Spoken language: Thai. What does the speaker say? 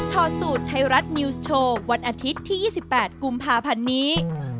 อดสูตรไทยรัฐนิวส์โชว์วันอาทิตย์ที่๒๘กุมภาพันธ์นี้